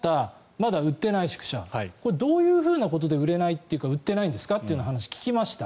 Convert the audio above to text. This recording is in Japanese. まだ売っていない宿舎これどういうことで売れないというか売ってないんですかという話を聞きました。